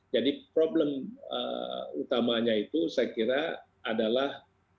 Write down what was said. jadi problem utamanya itu saya kira adalah